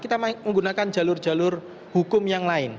kita menggunakan jalur jalur hukum yang lain